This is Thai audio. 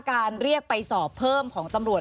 การเรียกไปสอบเพิ่มของตำรวจ